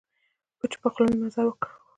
په چوپه خوله مي مزل وکړ .